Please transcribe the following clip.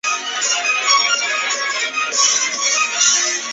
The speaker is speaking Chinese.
大公夫人也是卢森堡红十字会的会长和卢森堡癌症基金会的会长。